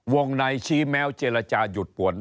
วงในชี้แม้วเจรจาหยุดป่วน